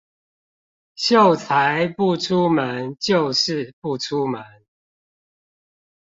秀才不出門就是不出門